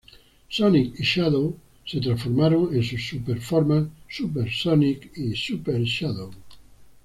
Sonic y Shadow se transforman en sus super formas: Super Sonic y Super Shadow.